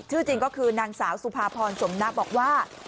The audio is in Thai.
จริงก็คือนางสาวสุภาพรสมนะบอกว่า